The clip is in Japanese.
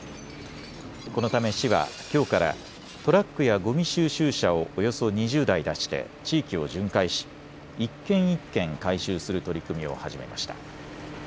このため市はきょうからトラックやごみ収集車をおよそ２０台出して地域を巡回し一軒一軒、回収する取り組みを始めました。